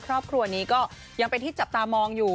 ครอบครัวนี้ก็ยังเป็นที่จับตามองอยู่